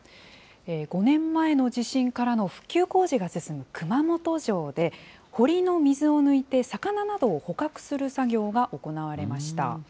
５年前の地震からの復旧工事が進む熊本城で、堀の水を抜いて、魚などを捕獲する作業が行われました。